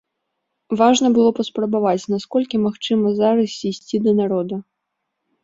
Важна было паспрабаваць, наколькі магчыма зараз ісці да народа.